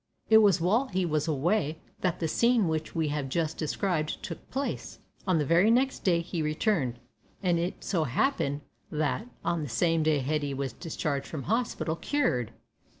It was while he was away that the scene which we have just described took place. On the very next day he returned, and it so happened that on the same day Hetty was discharged from hospital "cured."